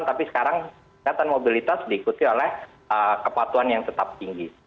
tapi sekarang kelihatan mobilitas diikuti oleh kepatuhan yang tetap tinggi